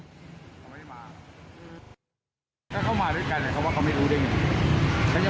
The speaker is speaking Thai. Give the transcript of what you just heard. ถ้าเข้ามาด้วยกันแต่เขาว่าเขาไม่รู้ได้ไง